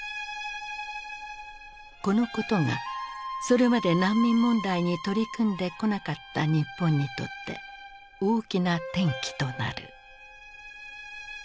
このことがそれまで難民問題に取り組んでこなかった日本にとって大きな転機となる。